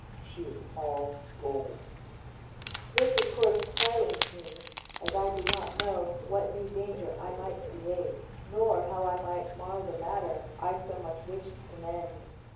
She is all gold." This, of course, silenced me, as I did not know what new danger I might create, nor how I might mar the matter I so much wished to mend.